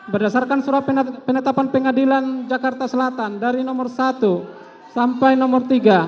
berdasarkan surat penetapan pengadilan jakarta selatan dari nomor satu sampai nomor tiga